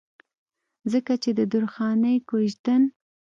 ځکه چې د درخانۍ کويژدن